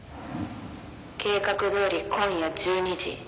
「計画どおり今夜１２時。